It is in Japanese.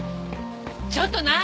ちょっと何？